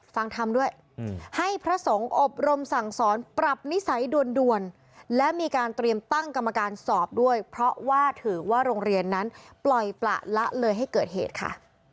ฟังธรรมด้วยให้พระสงฆ์อบรมสั่งสอนปรับนิสัยด่วนและมีการเตรียมตั้งกรรมการสอบด้วยเพราะว่าถือว่าโรงเรียนนั้นปล่อยประละเลยให้เกิดเหตุค่ะ